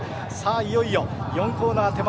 いよいよ４コーナー手前。